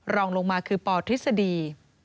รองลงมาคือปทฤษฎี